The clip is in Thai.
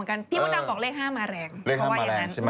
โอ้โหพูด๕นาที